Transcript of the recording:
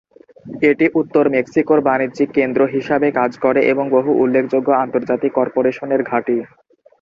এটি উত্তর মেক্সিকোর বাণিজ্যিক কেন্দ্র হিসাবে কাজ করে এবং বহু উল্লেখযোগ্য আন্তর্জাতিক কর্পোরেশনের ঘাঁটি।